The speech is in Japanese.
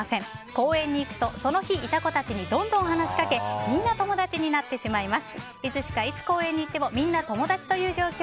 公園に行くとその日いた子たちにどんどん話しかけみんな友達になってしまいます。